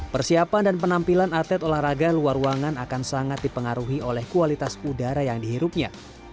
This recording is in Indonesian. persiapan dan penampilan atlet olahraga luar ruangan akan sangat dipengaruhi oleh kualitas udara yang dihirupnya